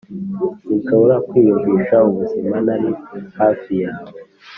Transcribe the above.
sinshobora kwiyumvisha ubuzima ntari hafi yawe,